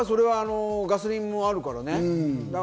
ガソリンもあるからね。